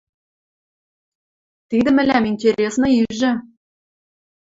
Тидӹ мӹлӓм интересно ижӹ.